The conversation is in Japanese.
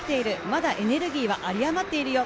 まだエネルギーは有り余っているよ。